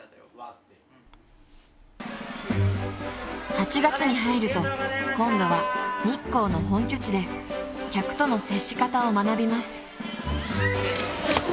［８月に入ると今度は日光の本拠地で客との接し方を学びます］